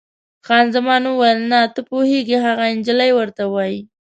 خان زمان وویل: نه، ته پوهېږې، هغه انجلۍ ورته وایي.